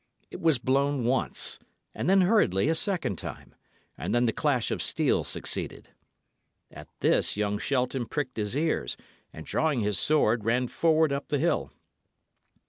It was blown once, and then hurriedly a second time; and then the clash of steel succeeded. At this young Shelton pricked his ears, and drawing his sword, ran forward up the hill.